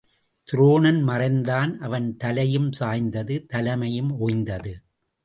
துரோணன் மறைந்தான் அவன் தலையும் சாய்ந்தது தலைமையும் ஒய்ந்தது.